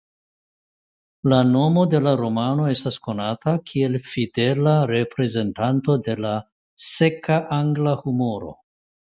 La nomo de la romano estas konata kiel fidela reprezentanto de seka angla humuro.